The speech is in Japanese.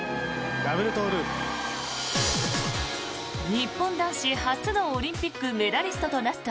日本男子初のオリンピックメダリストとなった